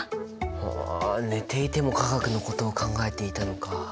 はあ寝ていても化学のことを考えていたのか。